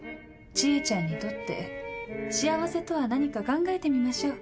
知恵ちゃんにとって幸せとは何か考えてみましょう。